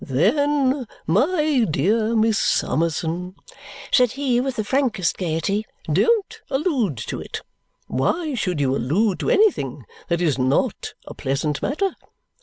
"Then, my dear Miss Summerson," said he with the frankest gaiety, "don't allude to it. Why should you allude to anything that is NOT a pleasant matter?